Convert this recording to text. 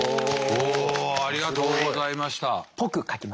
おっありがとうございました。